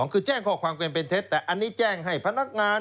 คือแจ้งข้อความกันเป็นเท็จแต่อันนี้แจ้งให้พนักงาน